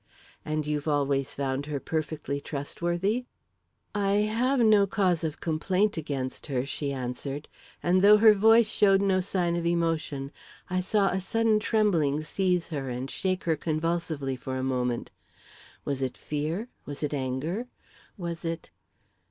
"And you've always found her perfectly trustworthy?" "I have no cause of complaint against her," she answered, and though her voice showed no sign of emotion, I saw a sudden trembling seize her and shake her convulsively for a moment. Was it fear? Was it anger? Was it